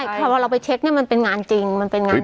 พอเราไปเช็คเนี่ยมันเป็นงานจริงมันเป็นงาน